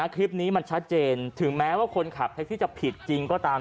คลิปนี้มันชัดเจนถึงแม้ว่าคนขับแท็กซี่จะผิดจริงก็ตาม